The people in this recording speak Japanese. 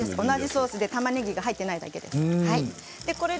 同じソースでたまねぎが入っていないだけです。